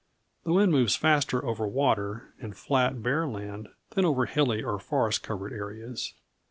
The wind moves faster over water and flat, bare land than over hilly or forest covered areas.